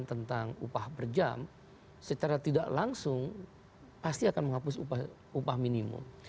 tentang upah per jam secara tidak langsung pasti akan menghapus upah minimum